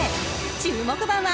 注目馬は］